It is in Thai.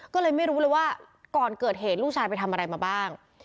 ก็เลยไม่รู้เลยว่าก่อนเกิดเหตุลูกชายไปทำอะไรมาบ้าง